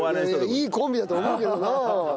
いいコンビだと思うけどな。